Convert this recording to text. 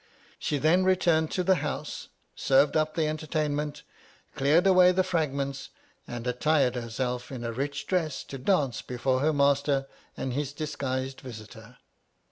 She then returned to the House, served up the entertainment, cleared away the fragments, and attired herself in a rich dress to dance before her master and his dis guised visitor.